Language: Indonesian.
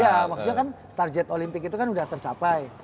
ya maksudnya kan target olimpik itu kan udah tercapai